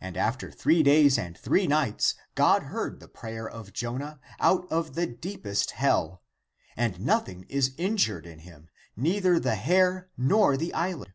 30. And after three days and three nights God heard the prayer of Jonah out of the deepest hell, and nothing is injured in him, neither the hair nor the eyelid.